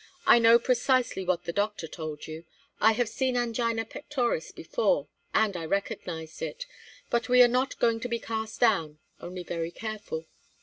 I know precisely what the doctor told you; I have seen angina pectoris before, and I recognized it. But we are not going to be cast down only very careful.